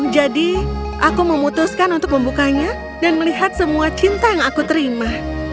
jadi aku memutuskan untuk membukanya dan melihat semua cinta yang aku terima